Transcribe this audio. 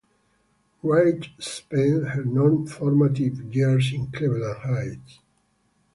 Wright spent her formative years in Cleveland Heights.